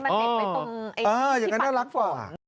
มันนิดไปตรงที่ปันของส่วน